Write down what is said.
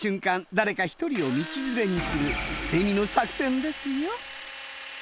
誰か１人を道連れにする捨て身の作戦ですよ。